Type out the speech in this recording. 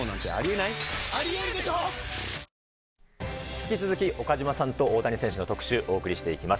引き続き、岡島さんと大谷選手の特シュー、お送りしていきます。